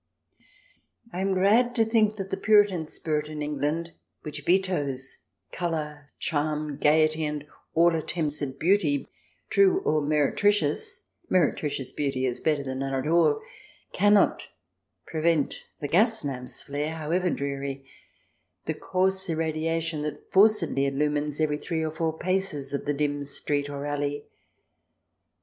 I am glad to think that the Puritan spirit in England, which vetoes colour, charm, gaiety, and all attempts at beauty, true or meretricious (mere tricious beauty is better than none at all), cannot prevent the gas lamp's flare, however dreary ; the CH. VI] BEER GARDENS 79 coarse irradiation that forcedly illumines every three or four paces of the dim street or alley.